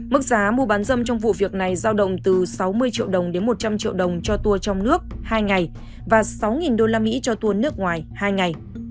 mức giá mua bán dâm trong vụ việc này giao động từ sáu mươi triệu đồng đến một trăm linh triệu đồng cho tour trong nước hai ngày và sáu usd cho tour nước ngoài hai ngày